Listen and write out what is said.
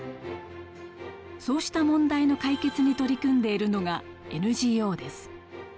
そうした問題の解決に取り組んでいるのがＮＧＯです。